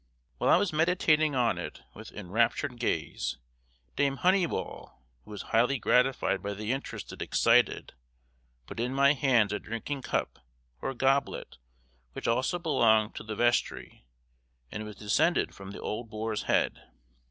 While I was meditating on it with enraptured gaze, Dame Honeyball, who was highly gratified by the interest it excited, put in my hands a drinking cup or goblet which also belonged to the vestry, and was descended from the old Boar's Head.